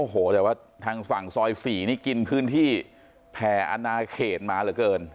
โอ้โหแต่ว่าทางฝั่งซอย๔นี่กินพื้นที่แผ่อนาเขตมาเหลือเกิน